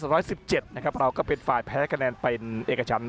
ร้อยสิบเจ็ดนะครับเราก็เป็นฝ่ายแพ้คะแนนเป็นเอกชัน